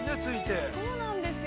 ◆そうなんですよ。